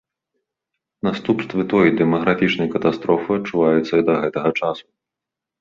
Наступствы той дэмаграфічнай катастрофы адчуваюцца да гэтага часу.